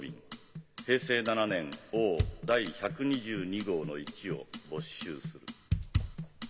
平成７年押第１２２号の１を没収する」。